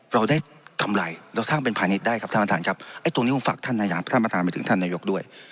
เราได้กำไรเราสร้างเป็นพาณิชย์ได้ครับท่านประธานครับไอ้ตรงนี้ผมฝากท่านนายกท่านประธานไปถึงท่านนายกด้วย